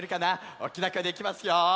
おっきなこえでいきますよ！